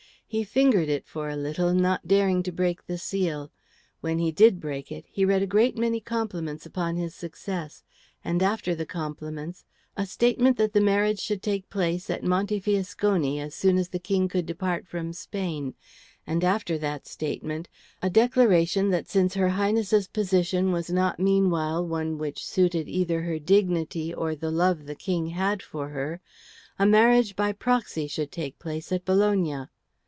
He fingered it for a little, not daring to break the seal. When he did break it, he read a great many compliments upon his success, and after the compliments a statement that the marriage should take place at Montefiascone as soon as the King could depart from Spain, and after that statement, a declaration that since her Highness's position was not meanwhile one that suited either her dignity or the love the King had for her, a marriage by proxy should take place at Bologna.